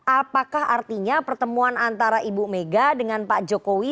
apakah artinya pertemuan antara ibu mega dengan pak jokowi